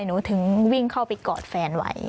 หนูถึงวิ่งเข้าไปกอดแฟนไว้